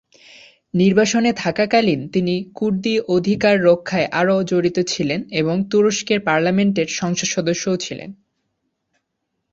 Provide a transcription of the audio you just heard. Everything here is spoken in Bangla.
নির্বাসনে থাকাকালীন তিনি কুর্দি অধিকার রক্ষায় আরও জড়িত ছিলেন এবং তুরস্কের পার্লামেন্টের সংসদ সদস্য ও ছিলেন।